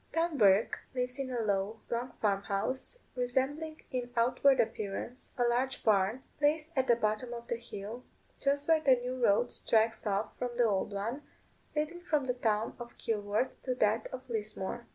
Tom Bourke lives in a low, long farm house, resembling in outward appearance a large barn, placed at the bottom of the hill, just where the new road strikes off from the old one, leading from the town of Kilworth to that of Lismore.